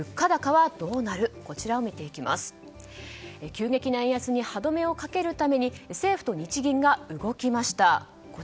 急激な円安に歯止めをかけるために政府・日銀が動きました。